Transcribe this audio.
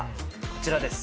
こちらです。